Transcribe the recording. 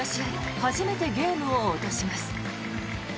初めてゲームを落とします。